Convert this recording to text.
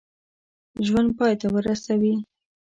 ژوند پای ته ورسوي.